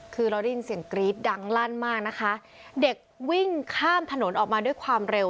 คือเราได้ยินเสียงกรี๊ดดังลั่นมากนะคะเด็กวิ่งข้ามถนนออกมาด้วยความเร็ว